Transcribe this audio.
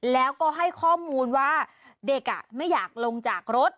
แล้วก็ให้ข้อมูลว่าเด็กไม่อยากลงจากรถ